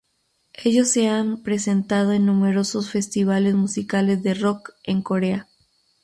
Ellos se han presentado en numerosos festivales musicales de rock, en corea.